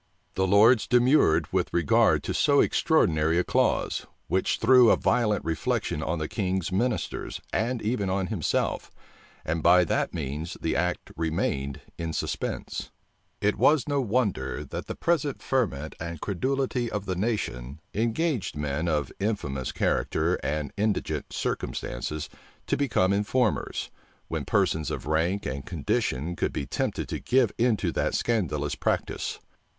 The lords demurred with regard to so extraordinary a clause, which threw a violent reflection on the king's ministers, and even on himself; and by that means the act remained in suspense. * North's Examen, p. 186. Burnet, vol. i. p. 437· It was no wonder, that the present ferment and credulity of the nation engaged men of infamous character and indigent circumstances to become informers, when persons of rank and condition could be tempted to give into that scandalous practice.